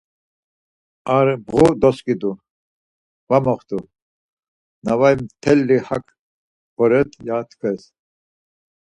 Ar Mğu doskidu, var moxtu, navai mtelli hak boret ya tkvez.